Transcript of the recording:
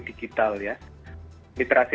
digital ya literasi